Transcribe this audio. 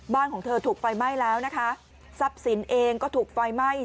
ของเธอถูกไฟไหม้แล้วนะคะทรัพย์สินเองก็ถูกไฟไหม้